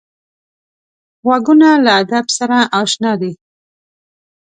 غوږونه له ادب سره اشنا دي